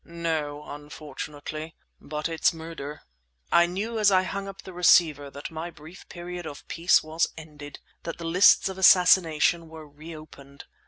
"No, unfortunately. But it's murder!" I knew as I hung up the receiver that my brief period of peace was ended; that the lists of assassination were reopened.